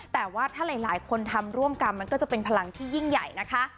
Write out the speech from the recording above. แต่ว่าถ้าหลายคนทำร่วมกันมันก็จะเป็นพลังที่ยิ่งใหญ่นะคะ